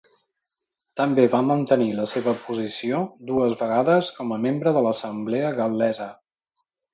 També va mantenir la seva posició dues vegades com a membre de l'assemblea gal·lesa.